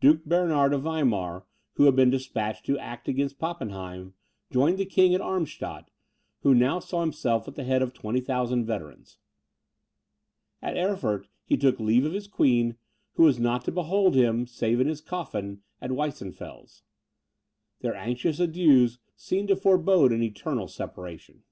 Duke Bernard of Weimar, who had been despatched to act against Pappenheim, joined the king at Armstadt, who now saw himself at the head of 20,000 veterans. At Erfurt he took leave of his queen, who was not to behold him, save in his coffin, at Weissenfels. Their anxious adieus seemed to forbode an eternal separation.